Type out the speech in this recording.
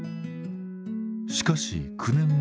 しかし９年前。